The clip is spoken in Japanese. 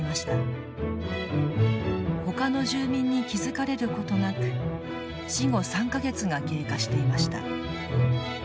ほかの住民に気付かれることなく死後３か月が経過していました。